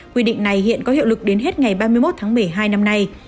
quy định này hiện có hiệu lực đến hết ngày ba mươi một tháng một mươi hai năm nay